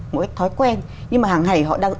một cái thói quen nhưng mà hàng ngày họ đang